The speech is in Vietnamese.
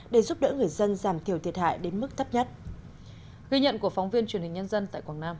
để giúp đỡ người dân giảm thiểu thiệt hại đến mức thấp nhất